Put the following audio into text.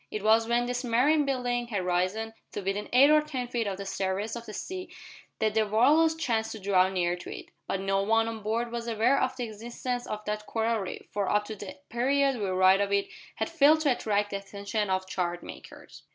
It was when this marine building had risen to within eight or ten feet of the surface of the sea that the Walrus chanced to draw near to it, but no one on board was aware of the existence of that coral reef, for up to the period we write of it had failed to attract the attention of chart makers.